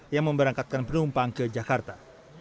yang memberangkatkan penumpang ke jakarta